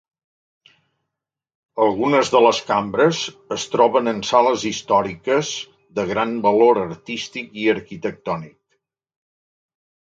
Algunes de les cambres es troben en sales històriques de gran valor artístic i arquitectònic.